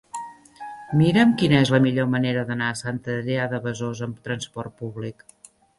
Mira'm quina és la millor manera d'anar a Sant Adrià de Besòs amb trasport públic.